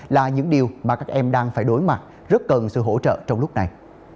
là những điều mà các em đang phải đối mặt rất cần sự hỗ trợ trong lúc này